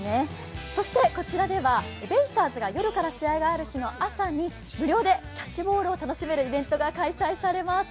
こちらではベイスターズから夜から試合がある日の朝に無料でキャッチボールを楽しめるイベントが開催されます。